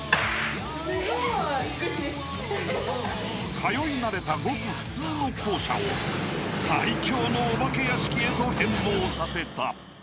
［通い慣れたごく普通の校舎を最恐のお化け屋敷へと変貌させた］